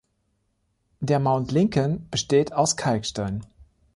Der Mount Lincoln besteht aus Kalkstein.